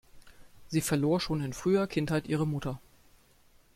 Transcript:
Sie verlor schon in früher Kindheit ihre Mutter.